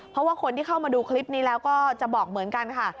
เพราะว่าคนที่เข้ามาดูคลิปนี้แล้วก็จะบอกเหมือนกันค่ะ